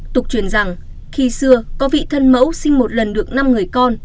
tục truyền rằng khi xưa có vị thân mẫu sinh một lần được năm người con